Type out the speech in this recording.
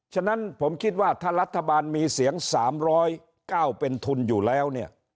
ฉะนั้นผมคิดว่าถ้ารัฐบาลมีเสียง๓๐๙เป็นทุนอยู่แล้วเนี่ย